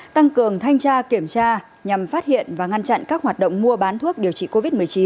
tăng cường thanh tra kiểm tra nhằm phát hiện và ngăn chặn các hoạt động mua bán thuốc điều trị covid một mươi chín